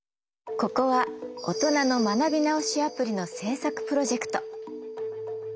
ここはオトナの学び直しアプリの制作プロジェクト。